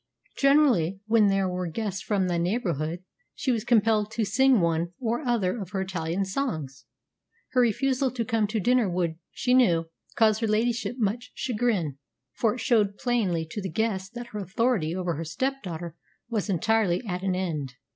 Generally, when there were guests from the neighbourhood, she was compelled to sing one or other of her Italian songs. Her refusal to come to dinner would, she knew, cause her ladyship much chagrin, for it showed plainly to the guests that her authority over her step daughter was entirely at an end.